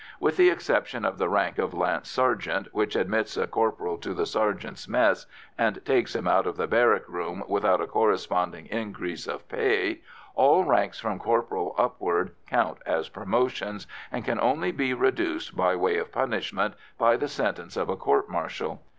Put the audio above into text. With the exception of the rank of lance sergeant, which admits a corporal to the sergeants' mess and takes him out of the barrack room without a corresponding increase of pay, all ranks from corporal upward count as promotions, and can only be reduced by way of punishment by the sentence of a court martial.